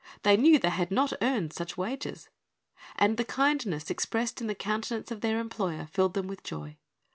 They knew they had not earned such wages. And the kindness expressed in the countenance of their employer filled them with joy.